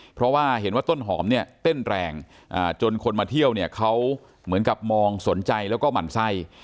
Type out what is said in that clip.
เพราะว่าเห็นว่าต้นหอมเนี่ยเต้นแรงจนคนมาเที่ยวเนี่ยเขาเหมือนกับมองสนใจแล้วก็หมั่นไส้